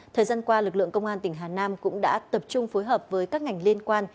thời gian qua lực lượng công an tỉnh hà nam cũng đã tập trung phối hợp với các ngành liên quan